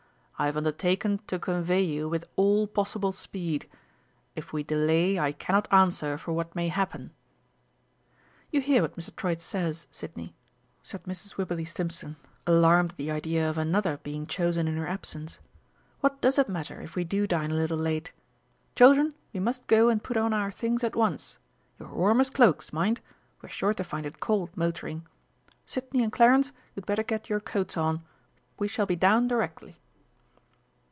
"I have undertaken to convey you with all possible speed. If we delay I cannot answer for what may happen." "You hear what Mr. Troitz says, Sidney," said Mrs. Wibberley Stimpson, alarmed at the idea of another being chosen in her absence. "What does it matter if we do dine a little late? Children, we must go and put on our things at once your warmest cloaks, mind we're sure to find it cold motoring. Sidney and Clarence, you had better get your coats on we shall be down directly."